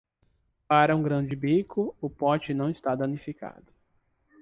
Para um grão de bico, o pote não está danificado.